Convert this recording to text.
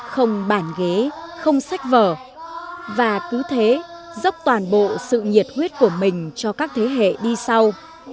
không bàn ghế không sách vở và cứ thế dốc toàn bộ sự nhiệt huyết của mình cho các thế hệ đi sau